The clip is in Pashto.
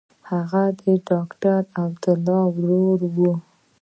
هغه د ډاکټر عبدالله ورور و.